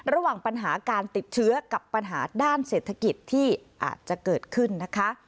ระหว่างปัญหาการติดเชื้อกับปัญหาด้านเศรษฐกิจที่อาจจะเกิดขึ้นนะคะ